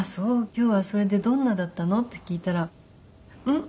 今日はそれでどんなだったの？」って聞いたら「うん？